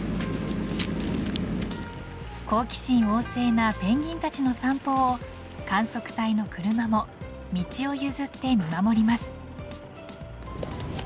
好奇心旺盛なペンギンたちの散歩を観測隊の車も道を譲って見守ります。